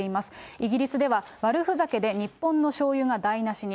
イギリスでは悪ふざけで日本のしょうゆが台なしに。